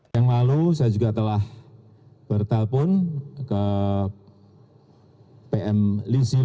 yang lalu saya juga telah bertelpon ke pm lizil